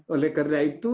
oleh karena itu